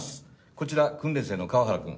こちら訓練生の河原くん。